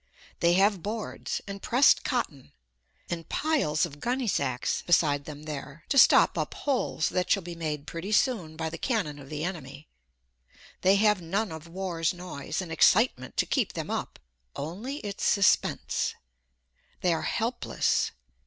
They have boards, and pressed cotton, and piles of gunny sacks beside them there, to stop up holes that shall be made pretty soon by the cannon of the enemy. They have none of war's noise and excitement to keep them up only its suspense. They are helpless.